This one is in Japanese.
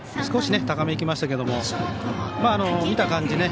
少し高めにきましたけど見た感じ